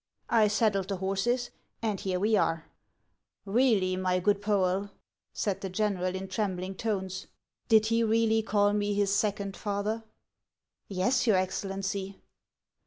I saddled the horses, and here •we are." " lieally, my good Poel," said the general, in trembling tones, " did he really call me his second father ?"" Yes, your Excellency."